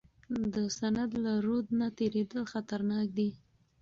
د سند له رود نه تیریدل خطرناک دي.